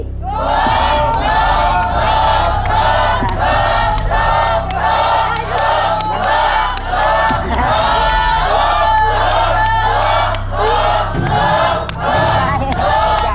ถูกครับ